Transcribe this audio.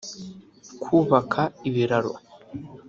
kubaka ibiraro